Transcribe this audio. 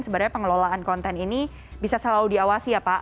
sebenarnya pengelolaan konten ini bisa selalu diawasi ya pak